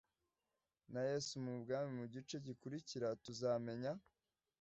Na yesu mu bwami mu gice gikurikira tuzamenya